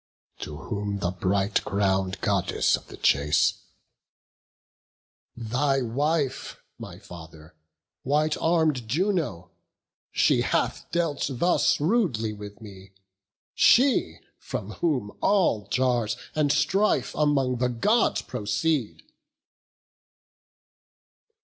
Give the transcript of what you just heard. To whom the bright crown'd Goddess of the chase: "Thy wife, my father, white arm'd Juno; she Hath dealt thus rudely with me; she, from whom All jars and strife among the Gods proceed."